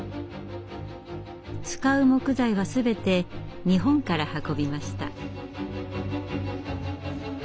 使う木材は全て日本から運びました。